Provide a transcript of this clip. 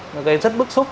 nó gây rất bức xúc